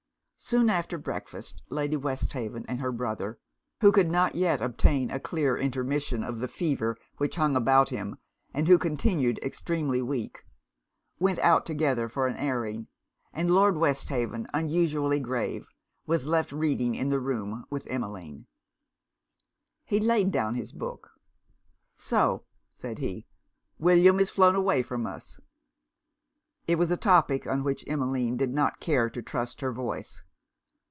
Soon after breakfast, Lady Westhaven and her brother, (who could not yet obtain a clear intermission of the fever which hung about him, and who continued extremely weak,) went out together for an airing; and Lord Westhaven, unusually grave, was left reading in the room with Emmeline. He laid down his book. 'So,' said he, 'William is flown away from us.' It was a topic on which Emmeline did not care to trust her voice.